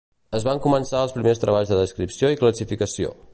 Es van començar els primers treballs de descripció i classificació.